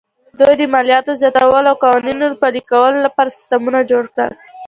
دوی د مالیاتو زیاتولو او د قوانینو پلي کولو لپاره سیستمونه جوړ کړل